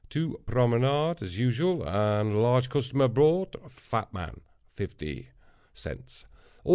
To promenade, as usual, and large customer brought (fat man) 50 Aug.